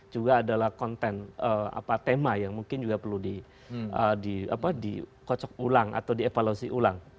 juga adalah konten tema yang mungkin juga perlu dikocok ulang atau dievaluasi ulang